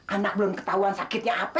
anak belum ketahuan sakitnya apa